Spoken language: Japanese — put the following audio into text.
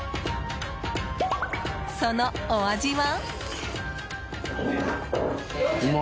そのお味は？